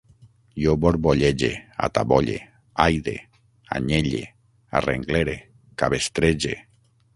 Jo borbollege, atabolle, aide, anyelle, arrenglere, cabestrege